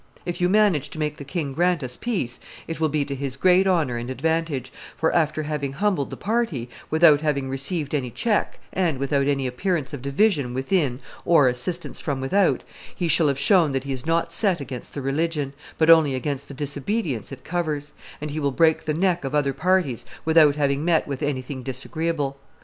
If you manage to make the king grant us peace, it will be to his great honor and advantage, for, after having humbled the party, without having received any check, and without any appearance of division within or assistance from without, he will have shown that he is not set against the religion, but only against the disobedience it covers, and he will break the neck of other parties without having met with anything disagreeable.